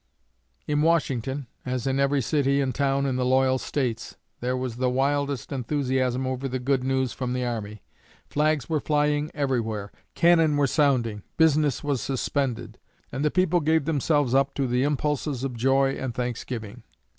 '" In Washington, as in every city and town in the loyal States, there was the wildest enthusiasm over the good news from the army. Flags were flying everywhere, cannon were sounding, business was suspended, and the people gave themselves up to the impulses of joy and thanksgiving.